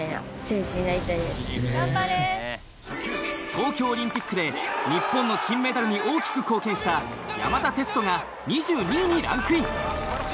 東京オリンピックで日本の金メダルに大きく貢献した山田哲人が２２位にランクイン。